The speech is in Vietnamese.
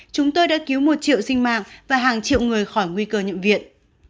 chúng tôi đã cứu một triệu sinh mạng và hàng triệu người khỏi nguy cơ nhiễm viện